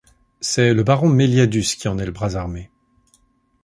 C’est le baron Meliadus qui en est le bras armé.